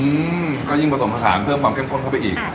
อืมก็ยิ่งผสมผสานเพิ่มความเข้มข้นเข้าไปอีก